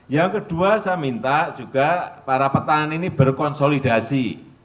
yang kedua saya minta juga para petani ini berkonsolidasi